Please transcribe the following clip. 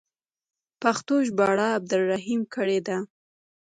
پښتو ژباړه یې عبدالرحیم کړې ده.